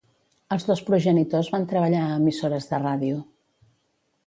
Els dos progenitors van treballar a emissores de ràdio.